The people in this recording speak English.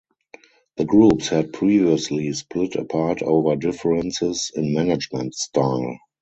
The groups had previously split apart over differences in management style.